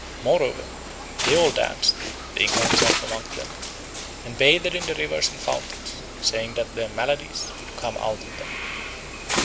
Moreover, they all danced, the Inca himself amongst them, and bathed in the rivers and fountains, saying that their maladies would come out of them.